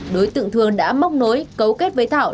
đối tượng thường đã móc nối cấu kết với thảo